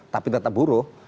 tapi tetap buruh